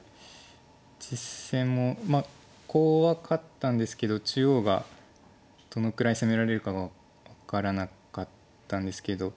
実戦もコウは勝ったんですけど中央がどのぐらい攻められるかが分からなかったんですけど。